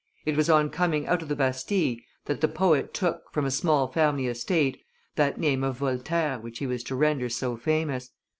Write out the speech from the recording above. It was on coming out of the Bastille that the poet took, from a small family estate, that name of Voltaire which he was to render so famous.